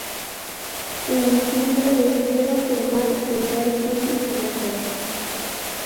En diciembre decidieron firmar en Mercury Records.